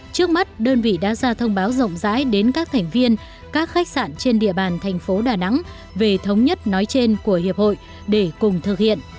trước mắt đơn vị đã ra thông báo rộng rãi đến các thành viên các khách sạn trên địa bàn thành phố đà nẵng về thống nhất nói trên của hiệp hội để cùng thực hiện